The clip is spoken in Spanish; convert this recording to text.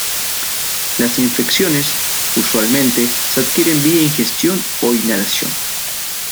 Las infecciones usualmente se adquieren vía ingestión o inhalación.